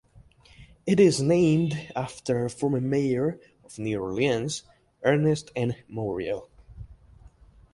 It is named after former Mayor of New Orleans Ernest N. Morial.